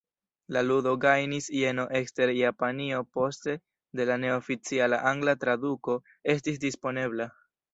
La ludo gajnis jeno ekster Japanio poste de la neoficiala angla traduko estis disponebla.